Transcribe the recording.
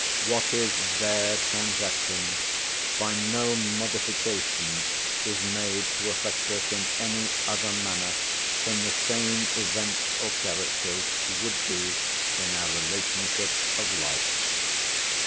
What is there transacting, by no modification is made to affect us in any other manner than the same events or characters would do in our relationships of life.